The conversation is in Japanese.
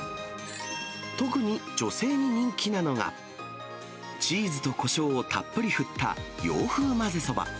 特に女性に人気なのが、チーズとこしょうをたっぷり振った、洋風混ぜそば。